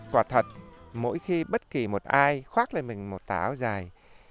quả thật mỗi khi bất kỳ một ai khoác lên mình một tả áo dài